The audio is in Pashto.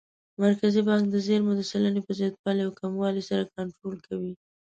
مرکزي بانک د زېرمو د سلنې په زیاتوالي او کموالي سره کنټرول کوي.